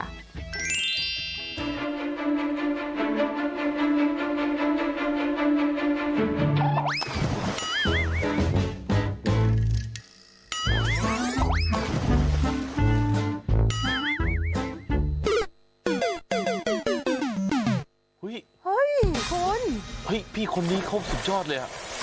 ไอ้คนนี้เข้าสุดยอดเลยอ่ะ